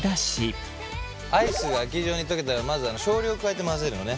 アイスが液状に溶けたらまず少量加えて混ぜるのね。